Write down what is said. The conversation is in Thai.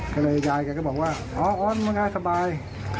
จ้ายกันก็บอกว่าอ๋อมันอ่าสบาย